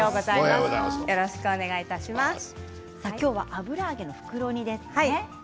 今日は油揚げの袋煮ですね。